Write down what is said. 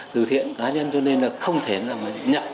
từ thiện cá nhân cho nên là không thể là nhập